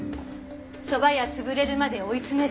「ソバ屋潰れるまで追い詰める」